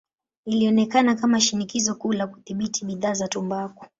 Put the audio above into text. Ilionekana kama shinikizo kuu la kudhibiti bidhaa za tumbaku.